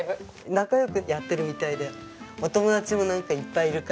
仲良くやってるみたいでお友達もなんかいっぱいいるから。